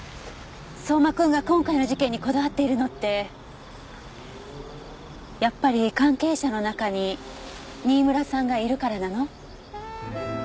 相馬君が今回の事件にこだわっているのってやっぱり関係者の中に新村さんがいるからなの？